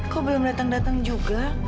kok belum datang datang juga